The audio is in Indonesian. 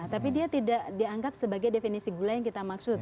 tapi dia tidak dianggap sebagai definisi gula yang kita maksud